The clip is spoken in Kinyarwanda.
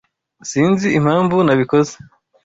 Sinzi impamvu nabikoze.